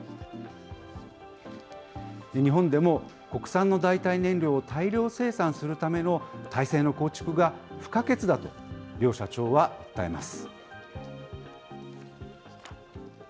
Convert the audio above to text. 日本でも、国産の代替燃料を大量生産するための体制の構築が不可欠だと、両社長は訴えます。